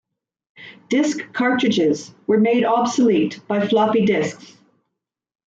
Disk cartridges were made obsolete by floppy disks.